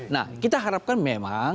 nah kita harapkan memang